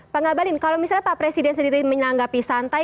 pak ngabalin kalau misalnya pak presiden sendiri menanggapi santai